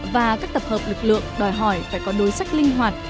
và các tập hợp lực lượng đòi hỏi phải có đối sách linh hoạt